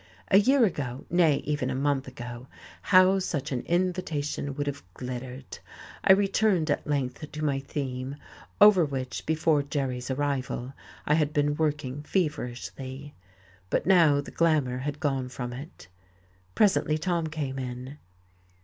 A year ago nay, even a month ago how such an invitation would have glittered!... I returned at length to my theme, over which, before Jerry's arrival, I had been working feverishly. But now the glamour had gone from it. Presently Tom came in.